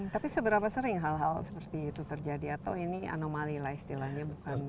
tapi seberapa sering hal hal seperti itu terjadi atau ini anomali lah istilahnya bukan